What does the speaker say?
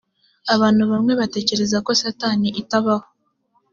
abantu bamwe batekereza ko satani itabaho.